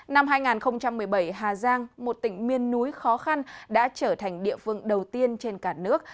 năm hai nghìn một mươi bảy hà giang một tỉnh miên núi khó khăn đã trở thành địa phương đầu tiên trên cả nước